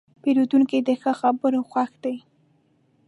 پیرودونکی د ښه خبرو خوښ دی.